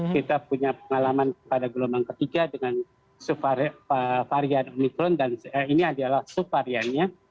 kita punya pengalaman pada gelombang ketiga dengan subvarian omikron dan ini adalah subvariannya